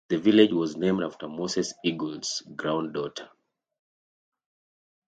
The village was named after Moses Eagle's granddaughter.